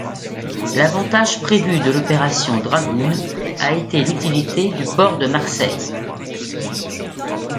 L'avantage prévu de l'opération Dragoon a été l'utilité du port de Marseille.